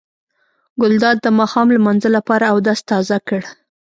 ګلداد د ماښام لمانځه لپاره اودس تازه کړ.